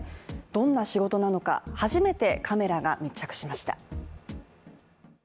どんな仕事なのか初めてカメラが密着しました。